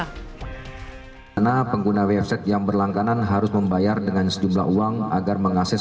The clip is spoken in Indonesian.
hai karena pengguna website yang berlangganan harus membayar dengan sejumlah uang agar mengakses